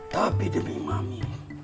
tapi demi mami